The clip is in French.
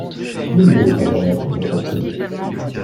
Vous ne devez pas en être bien surprise.